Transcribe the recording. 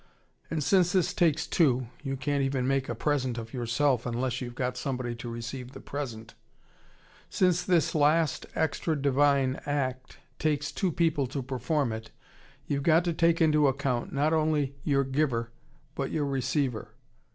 And since this takes two you can't even make a present of yourself unless you've got somebody to receive the present; since this last extra divine act takes two people to perform it, you've got to take into count not only your giver but your receiver.